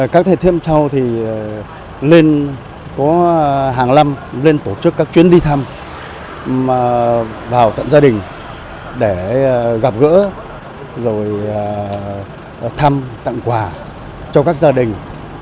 các thầy thêm sau lên có hàng năm lên tổ chức các chuyến đi thăm vào tận gia đình để gặp gỡ rồi thăm tặng quà cho các gia đình